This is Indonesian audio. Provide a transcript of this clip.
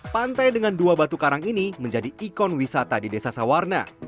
pantai dengan dua batu karang ini menjadi ikon wisata di desa sawarna